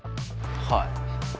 はい。